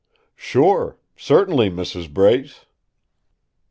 "Sure! Certainly, Mrs. Brace."